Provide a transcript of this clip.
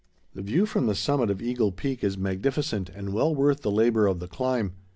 ] The view from the summit of Eagle Peak is magnificent and well worth the labor of the climb.